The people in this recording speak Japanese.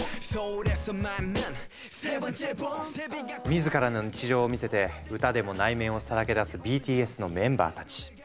自らの日常を見せて歌でも内面をさらけ出すＢＴＳのメンバーたち。